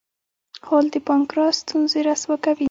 غول د پانقراس ستونزې رسوا کوي.